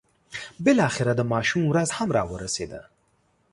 بالاخره د ماشوم ورځ هم را ورسېده.